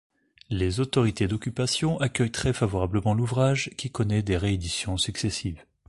Les Autorités d'occupation accueillent très favorablement l'ouvrage, qui connait des rééditions successives.